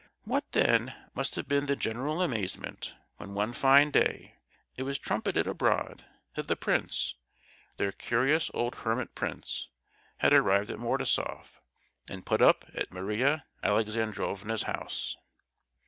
What, then, must have been the general amazement when one fine day it was trumpeted abroad that the prince—their curious old hermit prince, had arrived at Mordasoff, and put up at Maria Alexandrovna's house!